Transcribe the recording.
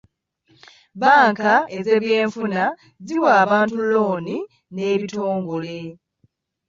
Bbanka ez'ebyenfuna ziwa abantu looni n'ebitongole.